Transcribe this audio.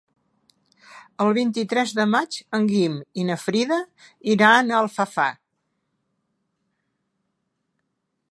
El vint-i-tres de maig en Guim i na Frida iran a Alfafar.